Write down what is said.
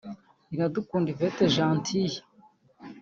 Iradukunda Hyvette Gentille